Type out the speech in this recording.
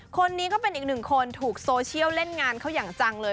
คนนี้ก็เป็นอีกหนึ่งคนถูกโซเชียลเล่นงานเขาอย่างจังเลย